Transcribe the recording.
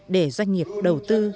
để doanh nghiệp đầu tư